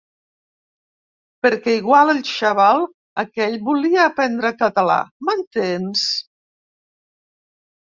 Perquè igual el xaval aquell volia aprendre el català, m'entens?